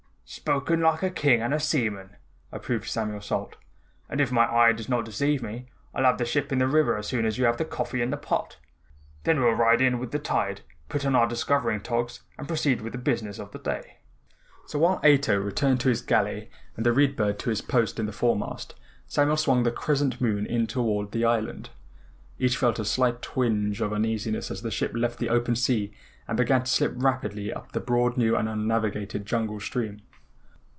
"Spoken like a King and a seaman," approved Samuel Salt, "and if my eye does not deceive me, I'll have the ship in the river as soon as you have the coffee in the pot. Then we'll ride in with the tide, put on our discovering togs and proceed with the business of the day." So while Ato returned to his galley and the Read Bird to his post in the foremast, Samuel swung the Crescent Moon in toward the island. Each felt a slight twinge of uneasiness as the ship left the open sea and began to slip rapidly up the broad new and unnavigated jungle stream.